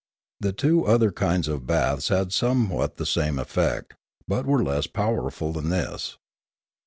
The two other kinds of baths had some what the same effect, but were less powerful than this.